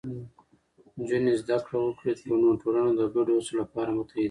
نجونې زده کړه وکړي، نو ټولنه د ګډو هڅو لپاره متحدېږي.